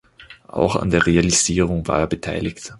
Auch an der Realisierung war er beteiligt.